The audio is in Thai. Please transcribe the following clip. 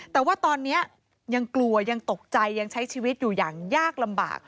แต่ว่าตอนนี้ยังกลัวยังตกใจยังใช้ชีวิตอยู่อย่างยากลำบาก